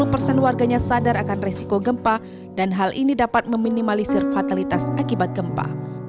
lima puluh persen warganya sadar akan resiko gempa dan hal ini dapat meminimalisir fatalitas akibat gempa